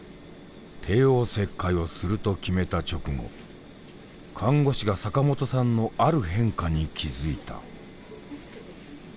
帝王切開をすると決めた直後看護師が坂本さんのある変化に気付いた。